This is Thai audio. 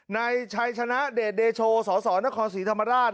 นายชัยชนะเดชเดโชสสนครศรีธรรมราช